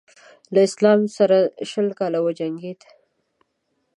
له اسلام سره شل کاله وجنګېد.